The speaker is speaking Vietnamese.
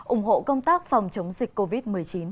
ủng hộ công tác phòng chống dịch covid một mươi chín